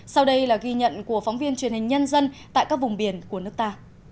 sau đây là ghi nhận của phóng viên truyền hình nhân dân tại các vùng biển của nước ta